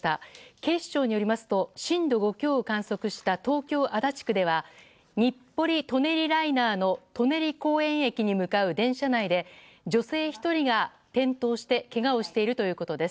警視庁によりますと震度５強を観測した東京・足立区では日暮里・舎人ライナーの舎人公園駅に向かう電車内で女性１人が転倒してけがをしているということです。